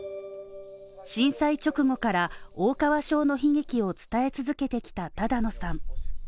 震災直後から大川小の悲劇を伝え続けてきた只野さん。